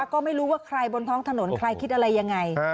ก็ไม่รู้ว่าใครบนท้องถนนใครคิดอะไรยังไง